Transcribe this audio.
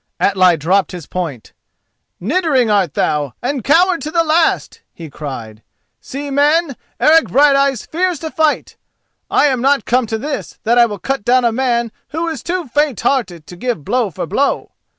Atli dropped his point. "Niddering art thou, and coward to the last!" he cried. "See, men, Eric Brighteyes fears to fight. I am not come to this that I will cut down a man who is too faint hearted to give blow for blow.